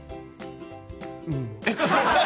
うん。